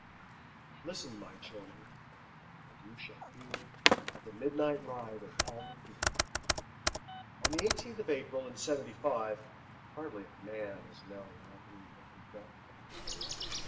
Listen, my children, and you shall hear Of the midnight ride of Paul Revere, On the eighteenth of April, in Seventy five; Hardly a man is now alive Who remembers that famous day and year.